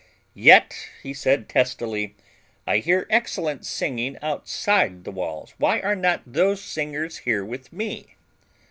"Yet," He said testily, "I hear excellent singing outside the walls. Why are not those singers here with me?"